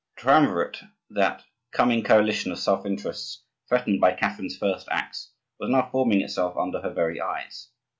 The Triumvirate, that coming coalition of self interests threatened by Catherine's first acts, was now forming itself under her very eyes.